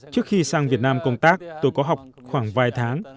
trước khi sang việt nam công tác tôi có học khoảng vài tháng